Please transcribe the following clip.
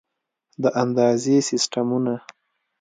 د اندازې سیسټمونه